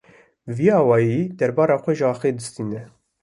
Bi vî awayî debara xwe ji axê distîne.